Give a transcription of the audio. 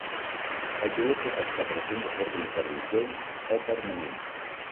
El dolor pot estar present de forma intermitent o permanent.